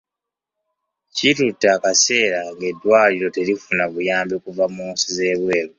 Kitutte akaseera ng'eddwaliro terifuna buyambi kuva mu nsi z'ebweru.